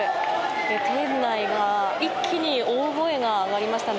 店内は一気に大声が上がりましたね。